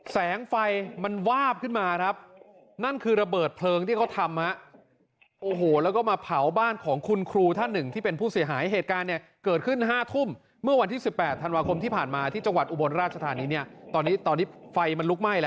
สวัสดีครับสวัสดีครับ